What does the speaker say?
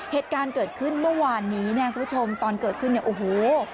เหตุการณ์เกิดขึ้นเมื่อวานนี้คุณผู้ชมตอนเกิดขึ้นโอ้โฮ